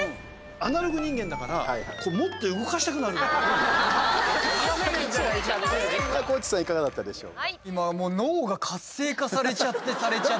アナログ人間だから高地さんいかがだったでしょう？